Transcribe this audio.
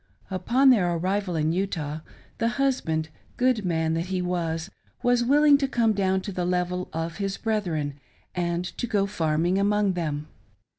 Upon their arrival itt REVERSES OF FORTUNE. 407 Utah, the husband — good man that he was — was willing to come down to the level of his brethren and to go farmii^ among them.